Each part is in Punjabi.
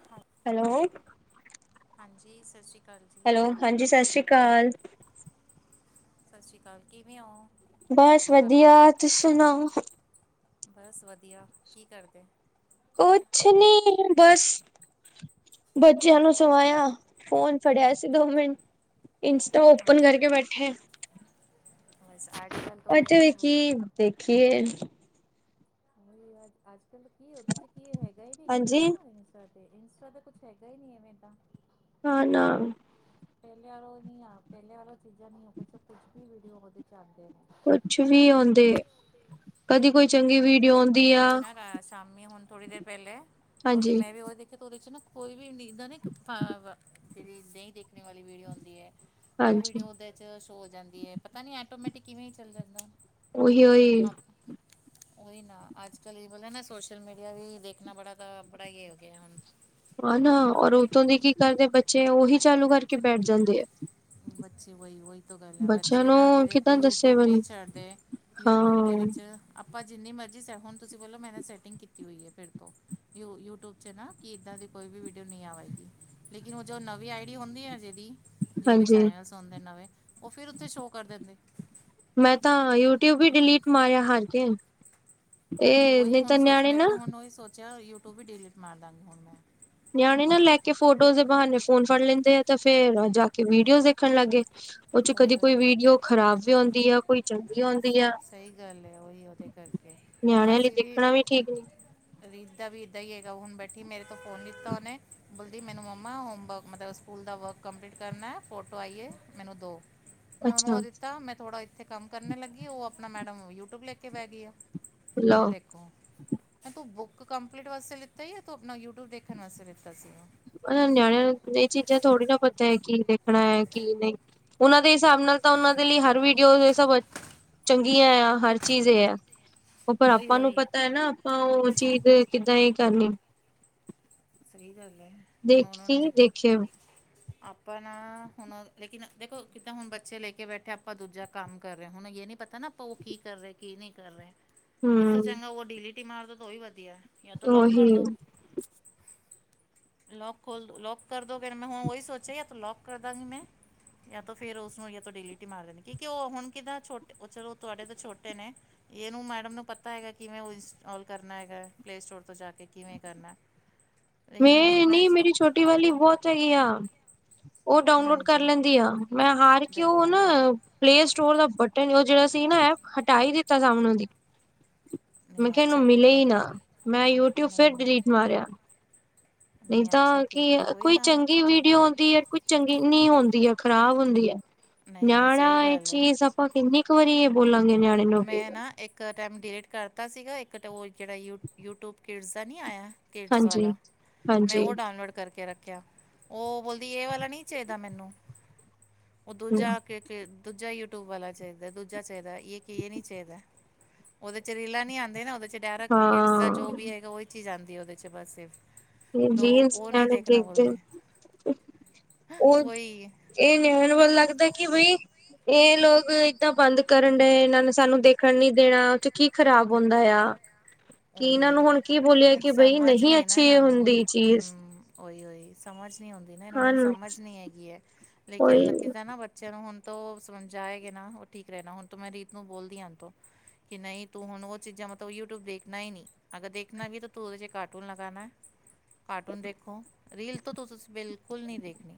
[unintelligible] ਹਾਂਜੀ। ਹੈਲੋ। ਹਾਂਜੀ ਸਤਿ ਸ੍ਰੀ ਅਕਾਲ ਜੀ। ਹੈਲੋ ਹਾਂਜੀ ਸਤਿ ਸ੍ਰੀ ਅਕਾਲ। ਸਤਿ ਸ੍ਰੀ ਅਕਾਲ ਕਿਵੇਂ ਹੋ। ਬਸ ਭਾਬੀ ਵਧੀਆ ਤੁਸੀ ਸੁਣਾਓ। ਬਸ ਵਧੀਆ ਕੀ ਕਰਦੇ। ਕੁਛ ਨੀ ਬਸ ਬੱਚਿਆਂ ਨੂੰ ਸਵਾਇਆ ਫੋਨ ਫੜਿਆ ਸੀ ਦੋ ਮਿੰਟ ਇ ਤਾਂ ਹਾਂ ਓਪਨ ਕਰਕੇ ਬੈਠੇ ਆ [unintelligible] ਅੱਜ ਵੀ ਕਿ ਦੇਖੀਏ। ਆਜ ਕਲ ਕੀ ਉਹਦੇ ਚ ਕੀ ਹੈਗਾਈ ਭੀ ਕੁਛ ਹਾਂਜੀ। ਨਾ ਇੰਸਟਾ ਇੰਸਟਾ ਤੇ ਕੁਛ ਹੈਗਾ ਹੀ ਨੀ ਐਵੇਂ ਦਾ ਨਾ, ਨਾ ਪਹਿਲੇ ਵਾਲੋਂ ਨੀ ਆ ਪਹਿਲੇ ਵਾਲੋਂ ਚੀਜ਼ਾਂ ਨੀ ਕੁ ਕੁਛ ਵੀਡੀਓ ਚਾਹਦੇ ਨੇ [inaudible] ਕੁਛ ਵੀ ਆਉਂਦੇ ਕਦੀ ਕੋਈ ਚੰਗੀ ਮੈਂ ਵੀ ਵੀਡੀਓ ਦੇਖ ਰਹੀ ਆਉਂਦੀ ਆ। ਸੀਗੀ ਨਾ ਰਾ- ਸ਼ਾਮੀ ਹੁਣ ਥੋੜੀ ਦੇਰ ਪਹਿਲੇ ਫਿਰ ਹਾਂਜੀ। ਮੈਂ ਵੀ ਉਹ ਦੇਖਿਆ ਉਹਦੇ ਚ ਨਾ ਕੋਈ ਨੀਦਾਂ ਨਾ ਇੱਕ ਜਿਹੜੀ ਨਹੀਂ ਦੇਖਣ ਵਾਲੀ ਵੀਡੀਓ ਹੁੰਦੀ ਹੈ। ਉਹ ਵੀਡੀਓ ਹਾਂਜੀ ਉਹਦੇ ਚ ਸ਼ੋ ਹੋ ਜਾਂਦੀ ਹੈ ਪਤਾ ਨੀ ਐਟੋਮੈਟਿਕ ਕਿਵੇਂ ਹੀ ਚੱਲ ਜਾਂਦਾ। ੳਈਉ ਈ ਆਪ ਉਹੀ ਨਾ ਅੱਜਕੱਲ੍ਹ ਇਹ ਵਲਾ ਨਾ ਸੋਸ਼ਲ ਮੀਡੀਆ ਵੀ ਦੇਖਣਾ ਬੜਾ ਤਾਂ ਬੜਾ ਹੀ ਹੋ ਗਿਆ ਹੁਣ। ਹਨਾ ਔਰ ਉੱਥੋਂ ਦੇ ਕੀ ਕਰਦੇ ਬੱਚੇ ਉਹੀ ਚਾਲੂ ਕਰਕੇ ਬੈਠ ਜਾਂਦੇ ਆ। ਬੱਚੇ ਵਹੀ ਉਹੀ ਤੋਂ ਗੱਲ ਹੈ ਬੱਚਿਆਂ ਬੱਚੇ ਨਾ ਨੂੰ ਕਿਵੇਂ ਇੱਕ ਕਿੱਦਾਂ ਦੱਸੇ ਯੂਟਿਊਬ ਬੰ ਨਹੀਂ ਛੱਡਦੇ, ਹਾਂ ਯੂਟਿਊਬ ਦੇ ਵਿੱਚ ਆਪਾਂ ਜਿੰਨੀ ਮਰਜ਼ੀ ਸੈ ਹੁਣ ਤੁਸੀਂ ਬੋਲੋ ਮੈਂਨੇ ਸੈਟਿੰਗ ਕੀਤੀ ਹੋਈ ਹੈ ਫਿਰ ਤੋਂ ਯੂ ਯੂਟਿਊਬ ਨਾ ਕਿ ਇਹਦਾ ਦੀ ਕੋਈ ਵੀਡੀਓ ਨਹੀਂ ਆਵੇਗੀ ਲੇਕਿਨ ਉਹ ਜੋ ਨਵੀਂ ਆਈਡੀ ਹੁੰਦੀ ਆ ਜੇਦੀ ਜਿਹਦੇ ਹਾਂਜੀ ਚੈਨਲਸ ਹੁੰਦੇ ਨਵੇਂ ਉਹ ਫਿਰ ਉੱਥੇ ਸ਼ੋਅ ਕਰ ਦਿੰਦੇ। ਮੈਂ ਤਾਂ ਯੂਟਿਊਬ ਹੀ ਡਿਲੀਟ ਮਾਰਿਆ ਹਾਰ ਕੇ। ਇਹ ਨੀਤਾ ਨਿਆਣੇ ਨਾ ਜਾਂ ਯੂਟਿਊਬ ਵੀ ਡਿਲੀਟ ਮਾਰ ਦਾਂਗੀ ਹੁਣ ਮੈਂ। ਨਿਆਣੇ ਨਾਲ ਲੈ ਕੇ ਫੋਟੋਜ਼ ਦੇ ਬਹਾਨੇ ਫੋਨ ਫੜ ਲੈਂਦੇ ਆ ਤੇ ਫੇਰ ਜਾ ਕੇ ਵੀਡੀਓ ਦੇਖਣ ਲੱਗੇ। ਉਹ ਚ ਉਹੀ ਕਦੀ ਕੋਈ ਉਹੀ ਵੀਡੀਓ ਖ਼ਰਾਬ ਵੀ ਆਉਂਦੀ ਆ ਕੋਈ ਚੰਗੀ ਆਉਂਦੀ ਆ। ਸਹੀ ਗੱਲ ਹੈ ਉਹੀ ਉਹਦੇ ਕਰਕੇ ਨਿਆਣਿਆਂ ਲਈ ਦੇਖਣਾ ਵੀ ਠੀਕ ਨੀ। ਰੀਦ ਦਾ ਵੀ ਏਦਾਂ ਹੀ ਹੈਗਾ ਹੁਣ ਬੈਠੀ ਮੇਰੇ ਤੋਂ ਫੋਨ ਲੀਤਾ ਉਹਨੇ ਬੋਲਦੀ ਮੈਨੂੰ ਮੰਮਾ ਹੋਮਵਰਕ ਮਤਲਬ ਸਕੂਲ ਦਾ ਵਰਕ ਕੰਪਲੀਟ ਕਰਨਾ ਫੋਟੋ ਆਈਏ ਮੈਨੂੰ ਦੋ ਮੈਂ ਉਹਨੂੰ ਅੱਛਾ ਉਹ ਦਿੱ ਤਾਂ ਮੈਂ ਥੋੜਾ ਇੱਥੇ ਕੰਮ ਕਰਨੇ ਲੱਗੀ ਉਹ ਆਪਣਾ ਮੈਡਮ ਯੂਟਿਊਬ ਲੈ ਕੇ ਪੈ ਗਈ ਆ ਮੈਂ ਲਓ ਦੇਖ ਤੂੰ ਬੁੱਕ ਕੰਪਲੀਟ ਵਾਸਤੇ ਲਿੱਤਾ ਹੀ ਆ ਤੂੰ ਆਪਣਾ ਯੂਟਿਊਬ ਦੇਖਣ ਵਾਸਤੇ ਲਿੱਤਾ ਸੀਗਾ। ਨਿਆਣਿਆਂ ਨੂੰ ਇਹ ਚੀਜ਼ਾਂ ਥੋੜ੍ਹੀ ਨਾ ਪਤਾ ਹੈ ਕੀ ਦੇਖਣਾ ਹੈ ਕੀ ਨਹੀਂ। ਉਹਨਾਂ ਦੇ ਹਿਸਾਬ ਨਾਲ ਤਾਂ ਉਹਨਾਂ ਦੇ ਲਈ ਹਰ ਵੀਡੀਓ ਸਭ ਚੰਗੀਆਂ ਆ ਹਰ ਚੀਜ਼ ਇਹ ਆ। ਉਹ ਪਰ ਉਹੀ ਆਪਾਂ ਨੂੰ ਉਹੀ ਪਤਾ ਹੈ ਨਾ ਆਪਾਂ ਉਹ ਚੀਜ਼ ਕਿੱਦਾਂ ਹੀ ਕਰਨੀ ਸਹੀ ਗੱਲ ਹੈਏ ਦੇਖੀ ਦੇਖੇਓ ਆਪਾਂ ਨਾ ਹੁਣ ਲੇਕਿਨ ਦੇਖੋ ਕਿੱਦਾਂ ਹੁਣ ਬੱਚੇ ਲੈ ਕੇ ਬੈਠੇ ਆਪਾਂ ਦੂਜਾ ਕੰਮ ਕਰ ਰਹੇ ਹਾਂ ਹੁਣ ਇਹ ਨੀ ਪਤਾ ਨਾ ਆਪ ਉਹ ਕੀ ਕਰ ਰਿਹਾ ਕੀ ਨਹੀਂ ਕਰ ਰਹੇ ਇਸ ਤੋਂ ਹੂੰ। ਚੰਗਾ ਉਹ ਡੀਲੀ ਟੀ ਮਾਰ ਦੋ ਤਾਂ ਉਹੀ ਵਧੀਆ ਜਾਂ ਤ ਲੋਕ ਉਹੀ ਕਰ ਦੋ ਲੋਕਕ ਖੋਲ ਦੋ ਲੋਕ ਕਰ ਦੋਗੇ ਮੈਂ ਹੁਣ ਉਹੀ ਸੋਚਿਆ ਯ ਤ ਲੋਕਕ ਕਰ ਦਾਂਗੀ ਮੈਂ ਜਾਂ ਤਾਂ ਫੇਰ ਉਸਨੂੰ ਤੁਹਾਡੀ ਲਿਟੀ ਮਾਰ ਦੇਣੀ ਕਿ ਉਹ ਹੁਣ ਕਿੱਦਾਂ ਛੋਟੇ ਉਹ ਚਲੋ ਤੁਹਾਡੇ ਤੋਂ ਛੋਟੇ ਨੇ ਇਹਨੂੰ ਮੈਡਮ ਨੂੰ ਪਤਾ ਹੈਗਾ ਕਿਵੇਂ ਉਹ ਇੰਸਟੋਾਲ ਕਰਨਾ ਹੈਗਾ ਪਲੇ ਸਟੋਰ ਤੋਂ ਜਾ ਕੇ ਕਿਵੇਂ ਕਰਨਾ ਲੇਕਿਨ ਹੁਣ ਮੈਂ ਤਾਂ ਨਹੀਂ ਮੇਰੀ ਛੋਟੀ ਵਾਲੀ ਬਹੁਤ ਹੈਗੀ ਆ ਉਹ ਡਾਊਨਲੋਡ ਕਰ ਹਾਂਜੀ ਲੈਂਦੀ ਆ ਮੈਂ ਹਾਰ ਕੇ ਉਹ ਦੇਖੋ ਨਾ ਪਲੇ ਸਟੋਰ ਦਾ ਬਟਨ ਉਹ ਜਿਹੜਾ ਸੀ ਨਾ ਹਟਾਈ ਦਿੱਤਾ ਸਾਮਣੇ ਦੀ ਮੈਂ ਨਹੀਂ ਕਿਹਾ ਇਹਨੂੰ ਅੱਛਾ ਮਿਲੇ ਹੀ ਕੀਤਾ ਨਾ ਮੈਂ ਯੂਟਿਊਬ ਨਹੀਂ ਫਿਰ ਨਹੀਂ ਡਿਲੀਟ ਮਾਰਿਆ ਨਹੀਂ ਅੱਛਾ ਤਾਂ ਕੀ ਉਹੀ ਕੋਈ ਨਾ ਚੰਗੀ ਵੀਡੀਓ ਆਉਂਦੀ ਹੈ ਕੋਈ ਚੰਗੀ ਨੀ ਆਉਂਦੀ ਹੈ ਖ਼ਰਾਬ ਹੁੰਦੀ ਹੈ ਨਹੀਂ ਨਹੀਂ ਨਿਆਣਾ ਸਹੀ ਇਹ ਗੱਲ ਹੈ ਚੀਜ਼ ਆਪਾਂ ਕਿੰਨੀ ਕੁ ਵਾਰੀ ਇਹ ਬੋਲਾਂਗੇ ਨਿਆਣੇ ਨੂੰ ਵੀ ਮੈਂ ਨਾ ਇੱਕ ਇੱਕ ਟਾਈਮ ਡਿਲੀਟ ਕਰਤਾ ਸੀਗਾ ਇੱਕ ਤਾਂ ਉਹ ਜਿਹੜਾ ਯੂ ਯੂਟਿਊਬ ਕਿਡਸ ਦਾ ਨਹੀਂ ਆਇਆ ਕਿਡਜ਼ ਹਾਂਜੀ ਵਾਲਾ ਮੈਂ ਹਾਂਜੀ ਉਹ ਡਾਊਨਲੋਡ ਕਰਕੇ ਰੱਖਿਆ ਉਹ ਬੋਲਦੀ ਇਹ ਵਾਲਾ ਨਹੀਂ ਚਾਹੀਦਾ ਮੈਨੂੰ ਉਹ ਹਾਂ ਦੂਜਾ ਦੂਜਾ ਯੂਟਿਊਬ ਵਾਲਾ ਚਾਹੀਦਾ ਦੂਜਾ ਚਾਹੀਦਾ ਇੱਕ ਕੀ ਇਹ ਨੀ ਚਾਹੀਦਾ ਉਹਦੇ ਚ ਰੀਲਾ ਨੀ ਆਉਂਦੇ ਨਾ ਉਹਦੇ ਚ ਡੈਰਾ ਕਿਡਸ ਦਾ ਜੋ ਵੀ ਹੈਗਾ ਉਹਹੀ ਚੀਜ਼ ਆਉਦੀ ਉਹਦੇ 'ਚ ਬਸ ਤੋ ਰੀਲਸ ਉਹ ਨਹੀਂ ਨਿਆਣੇ ਦੇਖਣਾ ਬੋਲਦੇ ਦੇਖਦੇ ਉਹ ਵਹੀ ਇਹ ਨਿਆਣ ਵੱਲ ਲੱਗਦਾ ਕਿ ਬਈ ਇਹ ਲੋਕ ਏਦਾਂ ਬੰਦ ਕਰਨ ਡਏ ਇਹਨਾਂ ਨੇ ਸਾਨੂੰ ਦੇਖਣ ਨੀ ਦੇਣਾ ਉਹ ਚ ਕੀ ਖਰਾਬ ਹੁੰਦਾ ਆ ਕਿ ਉਹੀ ਇਹਨਾਂ ਨੂੰ ਹੁਣ ਕੀ ਬੋਲਿਆ ਹੈ ਕਿ ਬਈ ਸਮਝ ਨਹੀਂ ਨਾ ਅੱਛੇ ਇਹਨਾਂ ਹੁੰਦੇ ਨੂੰ ਹਮ ਸਮਝ ਨੀ ਆਉਂਦੀ ਨਾ ਇਹਨਾਂ ਨੂੰ ਹਨ ਸਮਝ ਨੀ ਹੈਗੀ ਹੈ ਕੋਈ ਲੇਕਿਨ ਕਿਤੇ ਨਾ ਚਲੋ ਹੁਣ ਤ ਉਹ ਸਮਝ ਆਏਗਾ ਨਾ ਉਹ ਠੀਕ ਰਹਿਣਾ ਹੁਣ ਤ ਮੈਂ ਰੀਤ ਨੂੰ ਬੋਲਦੀ ਹਣ ਤੋਂ ਕਿ ਨਹੀਂ ਤੂੰ ਹੁਣ ਉਹ ਚੀਜ਼ਾਂ ਮਤਲਬ ਯੂਟਿਊਬ ਦੇਖ ਣਾ ਹੀ ਨਹੀਂ ਅਗਰ ਦੇਖਣਾ ਵੀ ਤਾਂ ਤੂੰ ਉਹਦੇ ' ਕਾਰਟੂਨ ਲਗਾਉਣਾ ਹੈ ਕਾਰਟੂਨ ਦੇਖੋ ਰੀਲ ਤੋਂ ਤੁਸੀਂ ਬਿਲਕੁਲ ਨਹੀਂ ਦੇਖਣੀ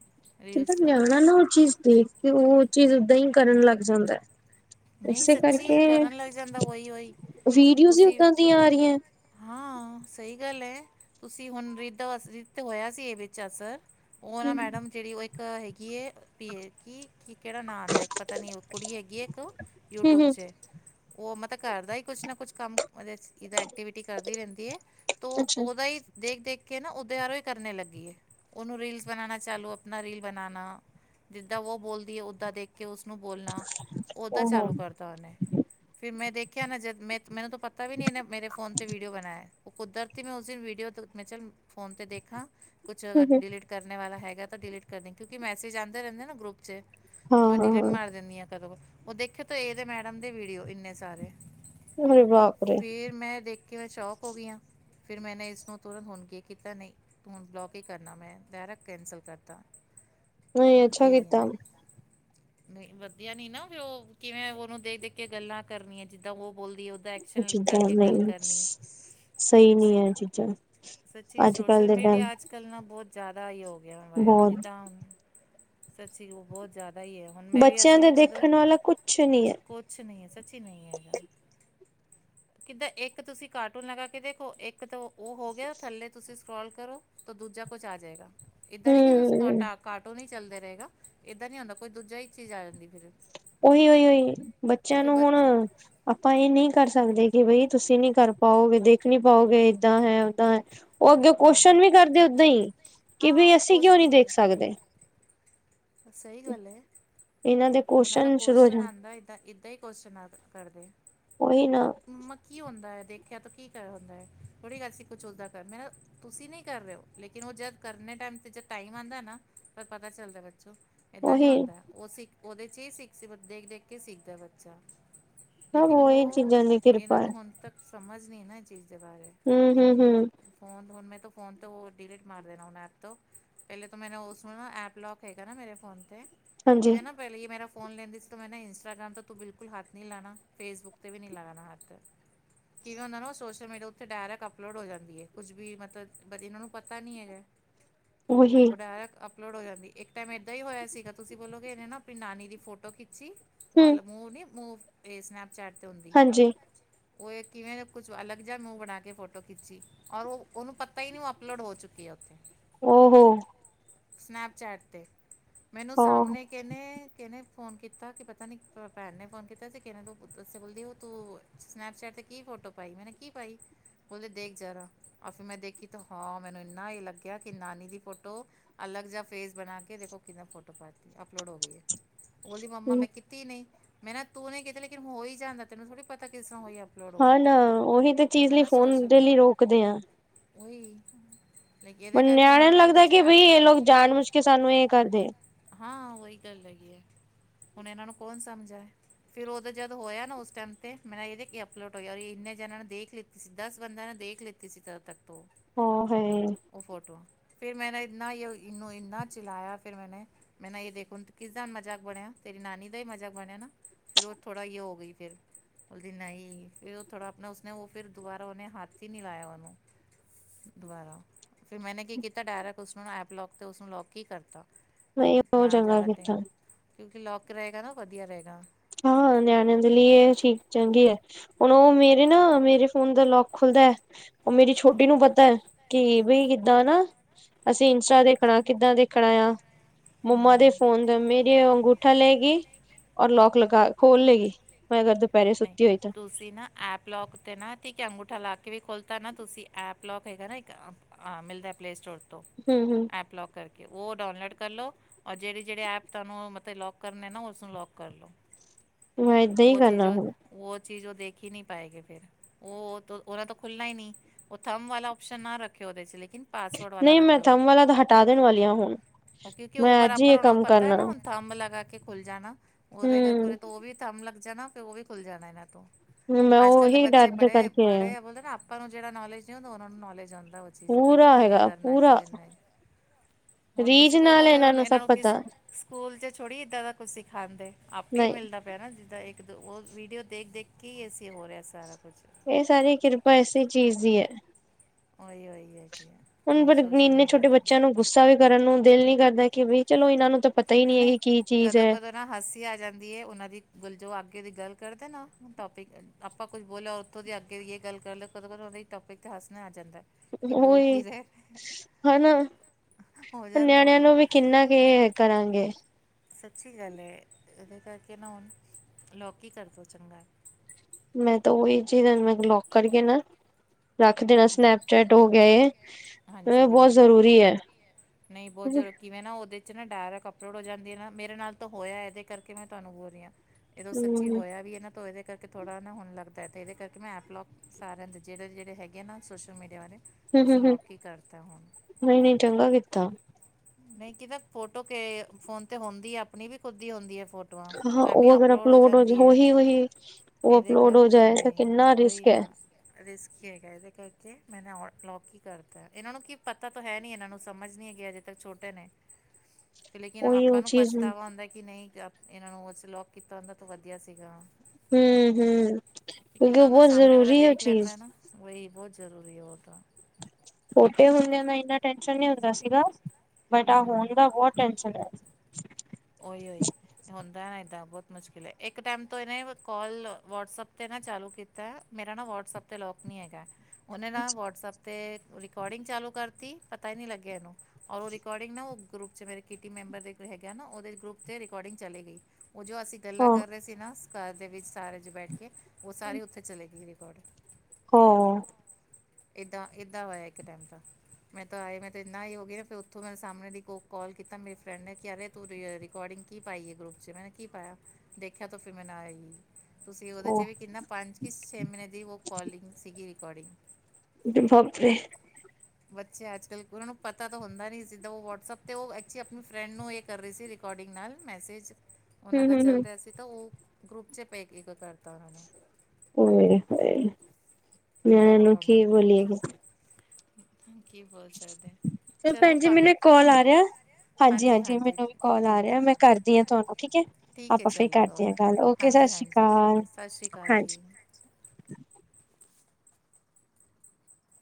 ਜਿੱਦਾਂ ਰੀਲਸ ਤਾਂ ਨਿਆਣਾ ਨਾ ਉਹ ਚੀਜ਼ ਦੇਖ ਕੇ ਉਹ ਚੀਜ਼ ੱਦਾਂ ਹੀ ਕਰਨ ਲੱਗ ਜਾਂਦਾ ਹੈ ਨਹੀਂ ਇਸੇ ਸੱਚੀ ਕਰਕੇ ਕਰਨ ਲੱਗ ਜਾਂਦਾ ਉਹੀ ਉਹੀ ਵੀਡੀਓਜ਼ ਹੀ ਤੁਸੀਂ ਓਦਾਂ ਦੀਆਂ ਆ ਰਹੀਆਂ ਹਾਂ ਸਹੀ ਗੱਲ ਹੈ ਤੁਸੀਂ ਹੁਣ ਰਿਧਤ ਹੋਇਆ ਸੀ ਇਹ ਵਿੱਚ ਅਸਰ ਉਹ ਨਾ ਹਮ ਮੈਡਮ ਜਿਹੜੀ ਉਹ ਇੱਕ ਹੈਗੀ ਹੈ ਕਿ ਕਿ ਕਿਹੜਾ ਨਾਂ ਆਉਂਦਾ ਇੱਕ ਪਤਾ ਨੀ ਉਹ ਕੁੜੀ ਹੈਗੀ ਹੈ ਇੱਕ ਯੂਟਿਊਬ ਹਮ 'ਚ ਉਹ ਮਤਲਬ ਕਰਦਾ ਹੀ ਕੁਛ ਨਾ ਕੁਛ ਕੰਮ ਇਹ ਐਕਟੀਵਿਟੀ ਕਰਦੀ ਰਹਿੰਦੀ ਹੈ ਤੋ ਅੱਛਾ ਓਹਦਾ ਹੀ। ਦੇਖ ਦੇਖ ਕੇ ਨਾ ਓਦੇ ਆਰ ਹੀ ਕਰਨੇ ਲੱਗੀ ਏ ਓਹਨੂੰ ਰੀਲਸ ਬਨਾਉਨਾ ਚਾਲੂ ਆਪਨਾ ਰੀਲ ਬਨਾਉਨਾ। ਜਿੱਦਾਂ ਵੋਹ ਬੋਲਦੀ ਏ ਓਦਾਂ ਦੇਖ ਕਿ ਉਸਨੂੰ ਬੋਲਨਾ ਓਦਾਂ ਓਹੋ ਚਾਲੂ ਹਮ ਕਰਤਾ ਓਹਨੇ ਫਿਰ ਮੈਂ ਦੇਖਿਆ ਨਾ ਜਦ ਮੈਂ ਮੈਨੂੰ ਪਤਾ ਵੀ ਨੀ ਏਹਨੇ ਮੇਰੇ ਫੋਨ ਤੇ ਵੀਡੀਓ ਬਨਾਇਆ। ਓਹ ਕੁਦਰਤੀ ਮੈਂ ਉਸ ਦਿਨ ਵੀਡੀਓ ਮੈਂ ਚਲ ਫੋਨ ਤੇ ਦੇਖਾ ਕੁੱਛ ਅਗਰ ਹਮ ਡਿਲੀਟ ਕਰਨੇ ਵਾਲਾ ਹੈਗਾ ਤਾਂ ਡਿਲੀਟ ਕਰਦੇ ਕਿਉਂਕਿ ਮੈਸੇਜ ਆਂਦੇ ਰਹਿੰਦੇ ਨਾ ਗਰੁੱਪ ਚ। ਹਾਂ ਤੋ ਮੈਂ ਹਾਂ ਡਿਲੀਟ ਹਾਂ ਮਾਰ ਦੇਨੀ ਆ ਕਦੋਂ ਓਹ ਦੇਖਿਓ ਤੇ ਏਹਦੇ ਮੈਡਮ ਦੇ ਵੀਡੀਓ ਇੰਨੇ ਸਾਰੇ। ਅਰੇ ਬਾਪ ਰੇ ਫੇਰ ਮੈਂ ਦੇਖ ਕੇ ਮੈਂ ਸ਼ੌਕ ਹੋ ਗਈ ਆਂ। ਫਿਰ ਮੈਨੇ ਇਸ ਨੂੰ ਤੁਰੰਤ ਹੁਨ ਕੀ ਕੀਤਾ ਨਹੀਂ। ਹੁਨ ਬਲੋਕ ਹੀ ਕਰਨਾ ਮੈਂ ਡਾਇਰੈਕਟ ਕੈਂਸਲ ਕਰਤਾ। ਨਹੀਂ ਅੱਛਾ ਇਹੀ ਆ ਕੀਤਾ। ਨਹੀਂ ਵਧੀਆ ਨੀ ਨਾ ਵੀ ਓਹ ਕਿਵੇਂ ਓਹਨੂੰ ਦੇਖ ਦੇਖ ਕੇ ਗੱਲਾਂ ਕਰਨੀਆਂ ਜਿੱਦਾਂ ਵੋਹ ਬੋਲਦੀ ਓਦਾਂ। [unintelligible] ਐਕਸ਼ਨ ਕਰਕੇ ਗੱਲ ਨਹੀਂ ਕਰਨੀ ਸਹੀ ਨੀ ਇਹ ਚੀਜ਼ਾਂ ਸੱਚੀ ਅੱਜ ਕੱਲ ਸੋਸ਼ਲ ਦੇ ਟਾਈਮ। ਮੀਡੀਆ ਅੱਜ ਕੱਲ੍ਹ ਨਾ ਬਹੁਤ ਜ਼ਿਆਦਾ ਹੀ ਹੋ ਗਿਆ ਵਾਇਰਲ ਬਹੁਤ ਜਿੱਦਾਂ ਸੱਚੀ ਬਹੁਤ ਜ਼ਿਆਦਾ ਹੀ ਹੈ ਹੁਣ ਮੈਂ ਵੀ ਬੱਚਿਆਂ ਅਸੀਂ ਦਾ ਵੀ ਕਦਰ ਦੇਖਣ ਵਾਲਾ ਕੁਛ ਨਹੀਂੀ ਹੈ ਕੁਛ ਨਹੀਂ ਹੈ ਸੱਚੀ ਨਹੀਂ ਹੈਗਾ ਕਿੱਦਾਂ ਇੱਕ ਇੱਕ ਤੁਸੀਂ ਕਾਰਟੂਨ ਲਗਾ ਕੇ ਦੇਖੋ ਇੱਕ ਤਾਂ ਉਹ ਹੋ ਗਿਆ ਥੱਲੇ ਤੁਸੀਂ ਸਕ੍ਰੋਲ ਕਰੋ ਤਾਂ ਦੂਜਾ ਕੁਛ ਆ ਜਾਏਗਾ ਏਦਾਂ ਨੀ ਕਿ ਹਮ ਤੁਟਾ ਕਾਰਾਟੋ ਨਹੀਂ ਚੱਲਦੇ ਰਹੇਗਾ ਏਦਾਂ ਨੀ ਆਉਂਦਾ ਕੋਈ ਦੂਜਾ ਹੀ ਚੀਜ਼ ਆ ਜਾਂਦੀ ਫਿਰ ਉਓਹੀ ਉਓਹੀ ਉਹੀ ਉਹ ਬੱਚਿਆਂ ਫਿਰ ਨੂੰ ਹੁਣ ਬੱਚੇ ਤਾਂ ਆਪਾਂ ਇਹ ਨਹੀਂ ਕਰ ਸਕਦੇ ਕਿ ਬਈ ਤੁਸੀਂ ਨਹੀ ਕਰ ਪਾਓਗੇ ਦੇਖ ਨੀ ਪਾਓਗੇ ਇਏਦਾਂ ਹੈ ਓਦਾਂ ਹੈ ਉਹ ਅੱਗੇ ਕੁਸ਼ਚਨ ਵੀ ਕਰਦੇ ਓਦਾਂ ਹੀ ਕਿ ਬ ਹਾਂ ਉਹ ਅਸੀਂ ਕਿਉਂ ਕੁਸ਼ਚਨ ਨਹੀਂੀ ਤੋਂ ਦੇਖ ਹੈ ਸਕਦੇ ਸਹੀ ਗੱਲ ਐ। ਇਹਨਾਂ ਦੇ ਓਹਨਾਂ ਦਾ ਕੁਸ਼ਚਨ ਸ਼ੁਰੂ ਹੋ ਕੋਸ਼ਚਨ ਜਾਣ ਆਉਂਦਾ ਇਦਾਂ ਏਦਾਂ ਹੀ ਕੋਸ਼ਚਨ ਆ ਕਰਦੇ। ਉਹੀ ਨਾ ਮੰਮਾ ਕੀ ਹੁੰਦਾ ਏ ਦੇਖਿਆ ਤਾਂ ਕੀ ਕਰ ਹੁੰਦਾ ਏ ਥੋੜੀ ਗੱਲ ਸੀ ਕੁਛਲਦਾ ਕਰ ਮੈਂ ਤੁਸੀਂ ਨਹੀਂ ਕਰ ਰਹੇ ਹੋ ਲੇਕਿਨ ਓਹ ਜਦ ਕਰਨੇ ਟੇਮ ਤੇ ਜਦ ਟਾਈਮ ਆਉਂਦਾ ਨਾ ਤਾਂ ਪਤਾ ਚੱਲਦਾ ਬੱਚ ਏਦਾਂ ਨੀ ਉਹੀ ਹੁੰਦਾ ਓਹ ਸਿੱਖ ਓਹਦੇ ਚ ਹੀ ਸਿੱਖ ਦੇਖ ਦੇਖ ਕੇ ਹੀ ਸਿੱਖਦਾ ਏ ਬੱਚਾ। ਹਾ ਓਹਹੀ ਚੀਜ਼ਾਂ ਦੀ ਇਹਨਾਂ ਕਿਰਪਾ ਐ। ਨੂੰ ਹੁਣ ਤੱਕ ਸਮਝ ਨਹੀਂ ਨਾ ਇਹ ਚੀਜ਼ ਦੇ ਬਾਰੇ ਹਮ ਹਮ ਲੇਕਿਨ ਹਮ ਫੋਨ ਹੁਨ ਮੈਂ ਤੋ ਫੋਨ ਤੋਂ ਵੋ ਡਿਲੀਟ ਮਾਰ ਦੇਨਾ ਓਹ ਐਪ ਤੋਂ ਪਹਿਲੇ ਤਾਂ ਮੈਨ ਉਸਨੂੰ ਨਾ ਐਪ ਲੋਕ ਹੈਗਾ ਨਾ ਮੇਰੇ ਫੋਨ ਤੇ ਹਾਂਜੀ ਇਵੇਂ ਨਾ ਪਹਿਲੇ ਯੇ ਮੇਰਾ ਫੋਨ ਲੈਂਦੀ ਸੀ ਮੈਂ ਇੰਸਟਗਰਾਾਮ ਤੇ ਤੋ ਬਿਲਕੁਲ ਹੱਥ ਨੀ ਲਾਉਨਾ ਫੇਸਬੁੱਕ ਤੇ ਵੀ ਨੀ ਲਗਾਉਨਾ ਹੱਥ। ਕਿਵੇਂ ਓਹਨਾਂ ਨੂੰ ਸੋਸ਼ਲ ਮੀਡੀਆ ਉੱਥੇ ਡਾਇਰੈਕਟ ਅਪਲੋਡ ਹੋ ਜਾਂਦੀ ਏ ਕੁੱਝ ਵੀ ਮਤਲਬ ਵਧੀ ਇਹਨਾਂ ਨੂੰ ਪਤਾ ਨੀ ਹੈਗਾ। [inaudible] ਓਹ ਡਾਇਰੈਕਟ ਅਪਲੋਡ ਹੋ ਜਾਂਦੀ ਇੱਕ ਟਾਈਮ ਏਦਾਂ ਹੀ ਹੋਇਆ ਸੀਗਾ ਤੁਸੀਂ ਬੋਲੋ ਕਿ ਏਹਨੇ ਨਾ ਆਪਨੀ ਨਾਨੀ ਦੀ ਫੋਟੋ ਖਿ ਖਿੱਚੀ ਹਮ ਵੱਲ ਮੁਵ ਨੀ ਮੂਵ ਐ ਸਨੈਪਚੈਟ ਤੇ ਹੁੰਦੀ। ਹਾਂਜੀ ਓਹ ਇਹ ਕਿਵੇਂ ਕੁਛ ਅਲੱਗ ਜਾ ਮੂੰਹ ਬਨਾ ਕੇ ਫੋਟੋ ਖਿੱਚੀ ਔਰ ਓਹਨੂੰ ਪਤਾ ਹੀ ਨਹੀਂ ਓਹ ਅਪਲੋਡ ਹੋ ਚੁੱਕੀ ਆ। [inaudible] ਓ ਹੋ। ਸਨੈਪਚੈਟ ਤੇ ਮੈਨੂੰ ਹਾਂ ਸਾਹਮਨੇ ਕਿਨੇ ਕਿੰਨੇ ਫੋਨ ਕੀਤਾ ਕਿ ਪਤਾ ਨਹੀ ਪੇਨ ਨੇ ਫੋਨ ਕੀਤਾ ਸੀ ਕਿਨੇ ਤੂੰ ਉੱਸੇ ਬੋਲਦੀ ਓਹ ਤੂੰ ਸਨੈਪਚੈਟ ਤੇ ਕੀ ਫੋਟੋ ਪਾਈ ਮੈਨੇ ਕੀ ਪਾਈ? ਓਹਦੇ ਦੇਖ ਜ਼ਰਾ ਔਰ ਫੇਰ ਮੈਂ ਦੇਖੀ ਤੇ ਹੱਵ ਮੈਨੂੰ ਇੰਨਾ ਹੀ ਲੱਗਿਆ ਕਿ ਨਾਨੀ ਦੀ ਫੋਟੋ। ਅਲੱਗ ਜਾ ਫੇਸ ਬਨਾ ਕੇ ਦੇਖੋ ਕਿਨਾ ਫੋਟੋ ਪਾਤੀ ਅਪਲੋਡ ਹੋ ਗਈ ਏ ਬੋਲਦੀ ਮੰਮਾ ਮੈਂ ਕਿ ਕੀਤੀ ਨਹੀਂ ਮੈਂ ਨਾ ਤੂੰ ਨਹੀਂ ਕੀਤੀ ਲੇਕਿਨ ਹੋਈ ਜਾਂਦਾ ਤੈਨੂੰ ਥੋੜੀ ਪਤਾ ਕਿਸ ਤਰਾਹ ਹੋਈ ਆਪ ਹਾਂ ਨਾ ਓਹੀ ਤੇ ਚੀਜ਼ ਲਈ ਫੋਨ ਡੇਲੀ ਰੋਕਦੇ ਆ। ਓਏ। ਨਿਆਣਿਆਂ ਨੂੰ ਲੱਗਦਾ ਕਿ ਬਈ ਇਹ ਲੋਕ ਜਾਣ ਮੁਝ ਕੇ ਸਾਨੂੰ ਇਹ ਕਰਦੇ। ਹਾਂ ਓਹੀ ਗੱਲ ਹੈਗੀ ਹੈ ਹੁਣ ਇਹਨਾਂ ਨੂੰ ਕੌਣ ਸਮਝਾਏ। ਫੇਰ ਓਦੋਂ ਜਦੋਂ ਹੋਇਆ ਨਾ ਉਸ ਟਾਈਮ ਤੇ ਮੈਂ ਇਹ ਦੇਖ ਅਪਲੋਡ ਹੋਇਆ ਔਰ ਯੇ ਇੰਨੇ ਜਨੇ ਦੇਖ ਲੀ ਦਸ ਬੰਦਾ ਨਾ ਦੇਖ ਲਤੀ ਸੀ ਤਰ ਤੱਕ ਤੋਂ ਹ ਹੈ ਉਹ ਫੋਟੋ ਫਿਰ ਮੈਂੇ ਇੰਨਾ ਹੀਨੂੰ ਇੰਨਾ ਚਲਾਇਆ ਫਿਰ ਮੈਨੇ ਮੈਂ ਨਾ ਇਹ ਦੇਖੋ ਕਿਸਦਾ ਮਜ਼ਾਕ ਬਣਿਆ ਤੇਰੀ ਨਾਨੀ ਦਾ ਹੀ ਮਜ਼ਾਕ ਬਣਿਆ ਨਾ ਫਿਰ ਉਹ ਥੋੜ੍ਹਾ ਜ ਹੋ ਗਈ ਫਿਰ ਬੋਲਦੀ ਨਹੀਂ, ਫਿਰ ਉਹ ਥੋੜ੍ਹਾ ਆਪਣਾ ਉਸਨੇ ਉਹ ਫਿਰ ਦੁਬਾਰਾ ਉਹਨੇ ਹੱਥ ਹੀ ਨੀ ਲਾਇਆ ਉਹਨੂੰ। ਦੁਬਾਰਾ ਫਿਰ ਮੈਨੇ ਕੀ ਕੀਤਾ ਡਾਇਰੈਕਟ ਉਸਨੂੰ ਐਪਲਕ ਤੇ ਉਸਨੂੰ ਲੌਕ ਕੀ ਕਰਤਾ ਨਹੀਂ ਉਹ ਕਿੰਨਾ ਚੰਗਾ ਜ਼ਿਆਦਾ ਕੀਤਾ ਟਾਈਮ ਕਿਉਂਕਿ ਲੋਕ ਰਹੇਗਾ ਨਾ ਵਧੀਆ ਰਹੇਗਾ ਹਾਂ ਨਿਆਣਿਆਂ ਦੇ ਲਈ ਇਹ ਠੀਕ ਚੰਗੀ ਹੈ ਹੁਣ ਉਹ ਮੇਰੇ ਨਾ ਮੇਰੇ ਫੋਨ ਦਾ ਲੋਕ ਖੁੱਲਦਾ ਹੈ ਉਹ ਮੇਰੀ ਛੋਟੀ ਨੂੰ ਪਤਾ ਹੈ ਕਿ ਬਈ ਕਿੱਦਾਂ ਨਾ ਅਸੀਂ ਇੰਸਟਾ ਦੇਖਣਾ ਕਿੱਦਾਂ ਦੇਖਣਾ ਆ ਮੰਮਾ ਦੇ ਹਮ ਫੋਨ ਮੇਰੀ ਅੰਗੂਠਾ ਲੈ ਗਈ ਔਰ ਲੋਕ ਲਗਾ ਗ ਖੋਲ੍ਹ ਲੇਗੀ, ਮੈਂ ਅਗਰ ਦੁਪਹਿਰੇ ਨਹੀਂ ਸੁੱਤੀ ਹੋਈ ਤਾਂ ਤੁਸੀਂ ਨਾ ਐਪਲੌਕ ਤੇ ਨਾ ਕ ਅੰਗੂਠਾ ਲਾ ਕੇ ਵੀ ਖੁੱਲ੍ਹਤਾ ਨਾ, ਤੁਸੀਂ ਐਪਲੌਕ ਹੈਗਾ ਨਾ ਇੱਕ। ਹਾਂ ਮਿਲਦਾ ਪਲੇ ਸਟੋਰ ਤੋਂ। ਹੂੰ, ਹੂੰ। ਐਪਲੌਕ ਕਰਕੇ, ਉਹ ਡਾਊਨਲੋਡ ਕਰ ਲੋ। ਔਰ ਜਿਹੜੇ- ਜਿਹੜੇ ਐਪ ਤਾਨੂੰ ਮਤਲਬ ਲੌਕ ਕਰਨੇ ਨਾ, ਓਸਨੂੰ ਲੌਕ ਕਰ ਲੋ। [unintelligible] ਏਦਾਂ ਹੀ ਉਹ ਚੀਜ਼, ਕਰਨਾ ਹੁਣ ਓਹ ਚੀਜ਼ ਓਹ ਦੇਖ ਹੀ ਨਹੀਂ ਪਾਏਗੇ ਫਿਰ। ਓਹ -ਓਹ ਤੋਂ ਓਹਨਾਂ ਤੋ ਖੁੱਲਨਾ ਹੀ ਨਹੀਂ, ਓਹ ਥੰਮ ਵਾਲਾ ਓਪਸ਼ਨ ਨਾ ਰੱਖੇ ਓਹਦੇ ਚ, ਲੇਕਿਨ ਪਾਸਵਰਡ ਵਾਲਾ ਨਹੀਂ ਮੈਂ ਰੱਖਿਓ, ਥੰਮ ਵਾਲਾ ਤਾਂ ਹਟਾ ਦੇਣ ਵਾਲੀ ਹਾਂ ਹੁਣ ਕਿਉਂਕਿ ਉਹ ਮੈਂ ਅੱਜ ਹੀ ਬਰਾਬਰ ਇਹ ਉਹਨਾ ਨੂੰ ਕੰਮ ਪਤਾ ਹੈ ਕਰਨਾ ਨਾ ਥੰਮ ਲਗਾ ਕੇ ਖੁੱਲ ਜਾਣਾ, ਉਹਦੇ ਕਰਕੇ ਹਮ ਉਹਦੇ ਤੋਂ ਉਹ ਵੀ ਥੰਮ ਲੱਗ ਜਾਣਾ, ਫਿਰ ਉਹ ਵੀ ਖੁੱਲ ਜਾਣਾ ਇਹਨਾਂ ਤੋਂ। ਮੈਂ ਅੱਜ ਕੱਲ੍ਹ ਦੇ ਉਹੀ ਬੱਚੇ ਡਰਦ ਬੜੇ ਕਰਕੇ -ਬੜੇ ਬੋਲਦੇ ਨਾ, ਆਪਾਂ ਨੂੰ ਜਿਹੜਾ ਨੌਲੇਜ ਨਹੀਂ ਹੁੰਦਾ, ਉਹਨਾ ਨੂੰ ਨੌਲੇਜ ਹੁੰਦਾ। ਚੀ ਕਿ ਪੂਰਾ ਕਿਵੇਂ ਹੈਗਾ ਕਰਨਾ ਪੂਰਾ ਕਿਵੇਂ ਨਹੀਂ, ਹੁਣ ਰੀਝ ਤੁਸੀਂ ਨਾਲ ਬੋਲੋਗੇ ਹੁਣ ਇਹਨਾਂ ਸਭ ਨੂੰ ਪਤਾ ਕਿਸ ਸਕੂਲ ਚ ਥੋੜ੍ਹੀ ਏਦਾਂ ਦਾ ਕੁਛ ਸਿਖਾਂਦੇ, ਆਪੀ ਨਹੀਂ ਮਿਲਦਾ ਮੈ ਨਾ ਜਿੱਦਾਂ ਇੱਕ ਦੋ ਉਹ ਵੀਡੀਓ ਦੇਖ- ਦੇਖ ਕੇ ਏਸੀ ਹੋ ਰਿਹਾ ਸਾਰਾ ਕੁਛ। ਇਹ ਸਾਰੀ ਕਿਰਪਾ ਇਸੇ ਚੀਜ਼ ਦੀ ਐ। ਓਹੀ- ਓਹੀ ਏ। ਹੁਣ ਫੇਰ ਇੰਨੇ ਛੋਟੇ ਬੱਚਿਆਂ ਨੂੰ ਗੁੱਸਾ ਵੀ ਕਰਨ ਨੂੰ ਦਿਲ ਨੀ ਕਰਦਾ, ਕਿ ਬਈ ਚਲੋ ਇਹਨਾਂ ਨੂੰ ਤਾਂ ਪਤਾ ਹੀ ਨਹੀਂ ਹੈਗੀ ਕੀ ਚੀਜ਼ ਐ। ਤਾਂ ਹਾਸੀ ਆ ਜਾਂਦੀ ਐ, ਉਹਨਾਂ ਦੀ ਗੁਲਜੋ ਆਗੇ ਉਹ ਦੀ ਗੱਲ ਕਰਦੇ ਨਾ ਟੋਪਿਕ ਆਪਾਂ ਕੁਛ ਬੋਲਿਆ ਉੱਥੋਂ ਦੇ ਅੱਗੇ ਇਹ ਗੱਲ ਕਰ ਲਿਓ, ਕਦੋਂ ਕਦੇ ਉਹਨਾਂ ਟੋਪਿਕ ਤੇ ਹੱਸਣਾ ਆ ਜਾਂਦਾ। ਕਿ ਬੋਲ ਉਹੀ ਕੀ ਰਹੇ ਹਨਾ, ਹੋ ਜਾਂਦਾ ਨਿਆਣਿਆਂ ਉਹ ਨੂੰ ਵੀ ਕਿੰਨਾ ਕਹੀਏ। ਕਰਾਂਗੇ। ਸੱਚੀ ਗੱਲ ਏ, ਇਹਦੇ ਕਰਕੇ ਨਾ ਹੁਣ ਲੌਕ ਈ ਕਰਦੋ ਚੰਗਾ ਐ। ਮੈਂ ਤਾਂ ਉਹੀ ਚੀਜ਼, ਮੈਂ ਲੌਕ ਕਰਕੇ ਨਾ ਰੱਖ ਦੇਣਾ ਸਨੈਪਚੈਟ ਹੋ ਗਿਆ ਏ, ਬਹੁਤ ਜ਼ਰੂਰੀ ਐ। ਬਹੁ ਜਰ ਕਿਵੇਂ ਨਾ ਉਹਦੇ ਚ ਨਾ ਡਾਇਕੱਟ ਅਪਲੋਡ ਹੋ ਜਾਂਦੀਆਂ ਨਾ, ਮੇਰੇ ਨਾਲ ਤਾਂ ਹੋਇਆ ਇਹਦੇ ਕਰਕੇ ਮੈਂ ਤੁਹਾਨੂੰ ਬੋਲ ਰਹੀ ਹਾਂ। ਇਹਦੋਂ ਸੱਚੀ ਹਮ ਹੋਇਆ ਵੀ, ਇਹਨਾਂ ਤੋਂ ਇਹਦੇ ਇਹ ਕਰਕੇ ਥੋੜ੍ਹਾ ਨਾ ਹੁਣ ਲੱਗਦਾ, ਤੇ ਇਹਦੇ ਕਰਕੇ ਮੈਂ ਐਪਲੋਗ ਸਾਰਿਆਂ ਦੇ ਜਿਹੜੇ ਜਿਹੜੇ ਹੈਗੇ ਨਾ ਸੋਸ਼ਲ ਮੀਡੀਆ ਵਾਲੇ ਉਸਨੂੰ ਹਮ ਲੌਕ ਹੀ ਕਰਤਾ ਹੁਣ। ਨਹੀਂ- ਨਹੀਂ ਚੰਗਾ ਕੀਤਾ। ਨਹੀਂ ਕਿਦਾ ਫੋਟੋ ਕੇ ਫੋਨ ਤੇ ਹੁੰਦੀ ਐ, ਆਪਣੀ ਵੀ ਖੁਦ ਹੀ ਹੁੰਦੀ ਐ ਫੋਟੋ। ਹਾਂ ਉਹ ਅਗਰ ਅਪਲੋਡ ਹੋ ਜੇ, ਉਹੀ- ਉਹੀ ਉਹ ਇਹਦੇ ਅਪਲੋਡ ਹੋ ਜਾਏ ਤਾਂ ਕਿੰਨਾ ਰਿਸਕ ਐ। ਰਿਸਕ ਹੈਗਾ ਇਹਦੇ ਕਰਕੇ ਮੈਨੇ ਔਟ ਲੌਕ ਈ ਕਰਤਾ, ਇਹਨਾਂ ਨੂੰ ਕੀ ਪਤਾ ਤਾਂ ਹੈ ਨੀ, ਇਹਨਾਂ ਨੂੰ ਸਮਝ ਨੀ ਹੈ ਅਜੇ। ਛੋਟੇ ਨੇ, ਲੇਕਿਨ ਉਹੀ ਉਹ ਆਪਾਂ ਨੂੰ ਚੀਜ਼ ਹੂੰ-ਹੂੰ ਪਛਤਾਵਾ ਹੁੰਦਾ ਕਿ ਨਹੀਂ ਇਹਨਾਂ ਨੂੰ ਉਹ ਚ ਲੌਕ ਕੀਤਾ ਹੁੰਦਾ, ਤਾਂ ਵਧੀਆ ਸੀਗਾ। ਹੂੰ-ਹੂੰ, ਕਿਉਂਕਿ ਕਿੱਦਾਂ ਉਹ ਹੁੰਦਾ ਬਹੁਤ ਸਾਹਮਣੇ ਵਾਲਾ ਜ਼ਰੂਰੀ ਐ, ਉਹ ਦੇਖ ਲੈਂਦਾ ਚੀਜ਼। ਨਾ ਵਹੀ ਨਹੀਂ ਬਹੁਤ ਜ਼ਰੂਰੀ ਐ ਉਹ ਤਾ। ਛੋਟੇ ਹੁੰਦਿਆਂ ਦਾ ਇੰਨਾ ਟੈਂਸ਼ਨ ਨਹੀਂ ਹੁੰਦਾ ਸੀਗਾ। ਬਟ ਆਹ ਹੂੰ ਹੋਣ ਦਾ ਬਹੁਤ ਟੈਂਸ਼ਨ ਹੈ ਓਈ ਹੁੰਦਾ ਨਾ ਏਦਾਂ ਬਹੁਤ ਮੁਸ਼ਕਿਲ ਹੈਏ ਟਾਈਮ ਤੋਂ ਇਹਨੇ ਕਾਲ ਵਟਸਪ ਤੇ ਨਾ ਚਾਲੂ ਕੀਤੀ ਤਾਂ ਮੇਰਾ ਨਾ ਵਟਸਐਪ ਤੇ ਲੌਕ ਨਹੀਂ ਹੈਗਾ। ਉਹਨੇ ਨਾ ਵਟਸਐਪ ਤੇ ਰਿਕੋਡਿੰਗ ਚਾਲੂ ਕਰਤੀ, ਪਤਾ ਹੀ ਨੀ ਲੱਗਿਆ ਇਹਨੂੰ। ਔਰ ਉਹ ਰਿਕੋਡਿੰਗ ਨਾ, ਉਹ ਗਰੁੱਪ ਚ ਮੇਰੇ ਕੀਟੀ ਮੈਂਬਰ ਦੇਖਦੇ ਹੈਗੇ ਆ ਨਾ। ਉਹਦੇ ਗਰੁੱਪ ਤੇ ਰਿਕੋਡਿੰਗ ਚਲੇਗੀ, ਉਹ ਜੋ ਅਸੀਂ ਗੱਲਾਂ ਹਾਂ ਕਰ ਰਹੇ ਸੀ ਨਾ ਘਰ ਦੇ ਵਿੱਚ ਸਾਰੇ ਜੇ ਬੈਠ ਕੇ, ਉਹ ਸਾਰੀ ਉੱਥੇ ਚਲੇਗੀ ਰਿਕੋਡਿੰਗ। ਹੋ ਏਦਾਂ- ਏਦਾਂ ਹੋਇਆ ਇੱਕ ਟਾਈਮ ਤਾਂ ਮੈਂ ਤਾਂ ਆਏ ਮੈਂ ਤੇ ਇੰਨਾ ਹੀ ਹੋ ਗਈ ਨਾ, ਫਿਰ ਉੱਥੋਂ ਮੈਂ ਸਾਹਮਣੇ ਦੀ ਕੋ ਕੌਲ ਕੀਤਾ ਮੇਰੀ ਫਰੈਂਡ ਨੇ ਕਿਹਾ ਤੂੰ ਰਿਕੋਡਿੰਗ ਕੀ ਪਾਈ ਐ ਗਰੁੱਪ ਚ, ਮੈਂ ਕਿਹਾ ਕੀ ਪਾਇਆ ਦੇਖਿਆ ਤਾਂ ਫਿਰ ਮੈਂ ਨਾ ਆਈ। ਤੁਸੀਂ ਉਹਦੇ 'ਚ ਉਹ ਵੀ ਕਿੰਨਾ ਪੰਜ ਕਿ ਛੇ ਮਹੀਨੇ ਦੀ ਉਹ ਕੋਲਿੰਗ ਸੀਗੀ ਰਿਕੋਡਿੰਗ ਬਾਪ ਰੇ ਬੱਚੇ ਅੱਜਕੱਲ ਉਹਨਾਂ ਨੂੰ ਪਤਾ ਤਾਂ ਹੁੰਦਾ ਨੀ ਜਿੱਦਾਂ ਉਹ ਵਟਸਐਪ ਤੇ ਉਹ ਐਕਚ ਆਪਣੀ ਫਰੈਂਡ ਨੂੰ ਕਰ ਰਹੀ ਸੀ ਰਿਕੋਡਿੰਗ ਨਾਲ ਮੈਸੇਜ ਉਹਨਾਂ ਦਾ ਚੱਲ ਹੂੰ-ਹੂੰ-ਹੂੰ ਰਿਹਾ ਸੀ ਤਾਂ ਉਹ ਗਰੁਪ ਚ ਪੈਕ ਕਰਤਾ ਉਹ ਨੂੰ ਏ ਹੋਏ ਮੈ ਇੱਦਾਂ ਇਹ ਦਾ ਨੂੰ ਪ੍ਰੋਬਲਮ ਕੀ ਬੋਲੀਏਗੀ ਤੁ ਕੀ ਬੋਲ ਸਕਦੇ ਚਲੋ ਭਾਬੀ ਹਾਂਜੀ ਹਾਂਜੀ ਹਾਂਜੀ ਮੈਨੂੰ ਵੀ ਕਾਲ ਆ ਰਿਹਾ ਮੈਂ ਕਰਦੀ ਹਾਂ ਤੁਹਾਨੂੰ ਠੀਕ ਹੈ ਠੀਕ ਹੈ ਆਪਾਂ ਫਿਰ ਚੱਲੇਗਾ ਕਰਦੇ ਹਾਂ ਓਕੇ ਗੱਲ ਸਤਿ ਹਾਂਜੀ ਸ਼੍ਰੀ ਹਾਂਜੀ ਅਕਾਲ ਓਕੇ ਸਤਿ ਸ਼੍ਰੀ ਅਕਾਲ ਹਾਂਜੀ ਜੀ